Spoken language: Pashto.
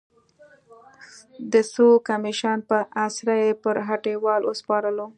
د څو کمېشن په اسره یې پر هټیوال وسپارلو.